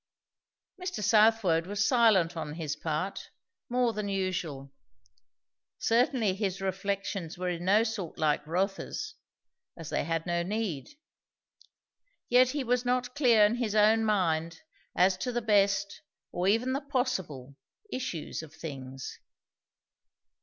Mr. Southwode was silent on his part, more than usual. Certainly his reflections were in no sort like Rotha's, as they had no need; yet he was not clear in his own mind as to the best, or even the possible, issues of things.